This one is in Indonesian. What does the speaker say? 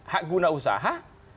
hak guna usaha